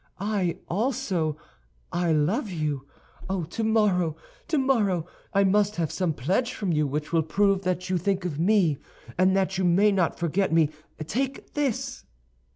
I also—I love you. Oh, tomorrow, tomorrow, I must have some pledge from you which will prove that you think of me; and that you may not forget me, take this!"